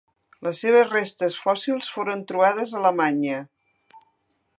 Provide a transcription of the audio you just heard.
Les seves restes fòssils foren trobades a Alemanya.